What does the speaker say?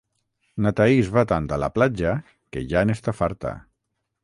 Na Thaís va tant a la platja que ja n'està farta.